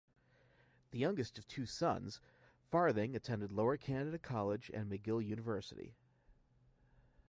The youngest of two sons, Farthing attended Lower Canada College, and McGill University.